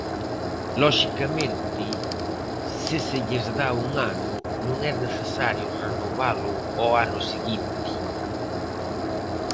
Loxicamente, se se lles dá un ano, non é necesario renovalo ao ano seguinte.